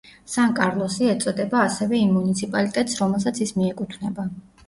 სან-კარლოსი ეწოდება ასევე იმ მუნიციპალიტეტს, რომელსაც ის მიეკუთვნება.